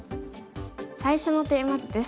最初のテーマ図です。